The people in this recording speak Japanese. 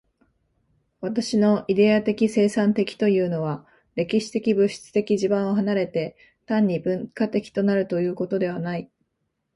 私のイデヤ的生産的というのは、歴史的物質的地盤を離れて、単に文化的となるということではない。